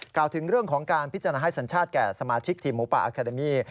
กล่าวถึงเรื่องของการพิจารณาให้สัญชาติแก่สมาชิกทีมหมูป่าอาคาเดมี่